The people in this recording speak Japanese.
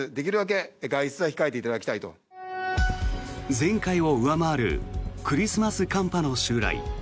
前回を上回るクリスマス寒波の襲来。